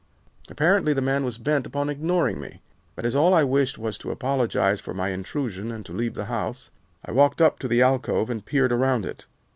Apparently the man was bent upon ignoring me, but as all I wished was to apologize for my intrusion and to leave the house, I walked up to the alcove and peered around it.